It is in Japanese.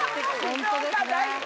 本当ですね。